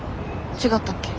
違ったっけ？